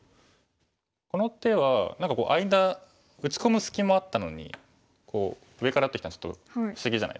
この手は何か間打ち込む隙もあったのに上から打ってきたのちょっと不思議じゃないですか？